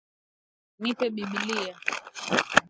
Nipe bibilia